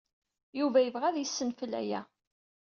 Yuba yebɣa ad yessenfel aya.